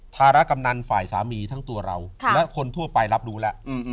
ระกำนันฝ่ายสามีทั้งตัวเราและคนทั่วไปรับรู้แล้ว